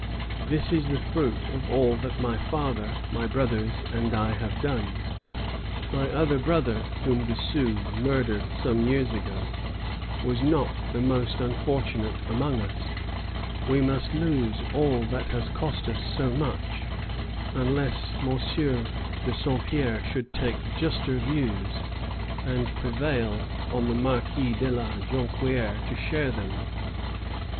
This is the fruit of all that my father, my brothers, and I have done. My other brother, whom the Sioux murdered some years ago, was not the most unfortunate among us. We must lose all that has cost us so much, unless M. de Saint Pierre should take juster views, and prevail on the Marquis de la Jonquière to share them.